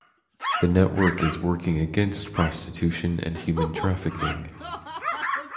The network is working against prostitution and human trafficking.